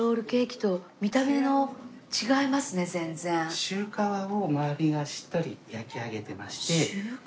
ちょっとシュー皮を周りがしっとり焼き上げてまして。